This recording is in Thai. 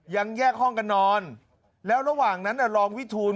ยังแยกห้องกันนอนแล้วระหว่างนั้นรองวิทูล